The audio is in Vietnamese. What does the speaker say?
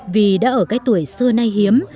vì đã ở cái tuổi xưa nay hiếm